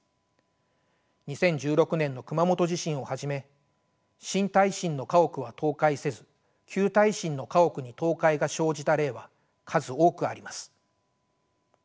２０１６年の熊本地震をはじめ新耐震の家屋は倒壊せず旧耐震の家屋に倒壊が生じた例は数多くあります。